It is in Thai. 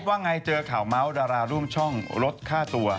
ว่าไงเจอข่าวเมาส์ดาราร่วมช่องลดค่าตัว